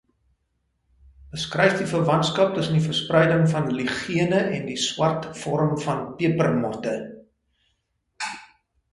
Beskryf die verwantskap tussen die verspreiding van ligene en die swart vorm van pepermotte?